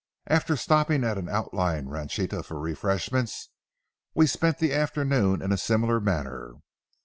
After stopping at an outlying ranchita for refreshment, we spent the afternoon in a similar manner.